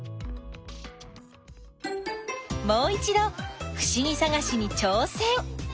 もういちどふしぎさがしにちょうせん！